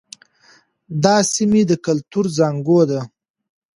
دا سیمې د کلتور زانګو وې.